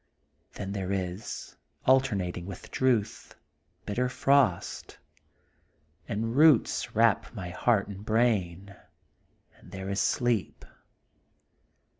Then there is, alternating with drouth, bitter frost. And roots wrap my heart and brain. Ajid there is sleep.